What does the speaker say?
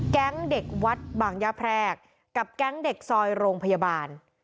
เด็กวัดบางย่าแพรกกับแก๊งเด็กซอยโรงพยาบาล